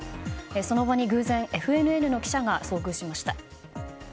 その場に偶然ＦＮＮの記者が遭遇しました。